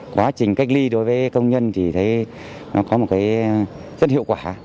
quá trình cách ly đối với công nhân thì thấy nó có một cái rất hiệu quả